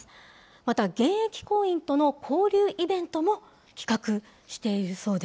また現役行員との交流イベントも企画しているそうです。